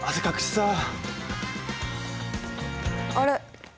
あれ？